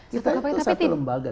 kita itu satu lembaga